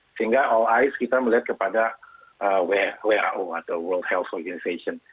sehingga all ice kita melihat kepada wao atau world health organization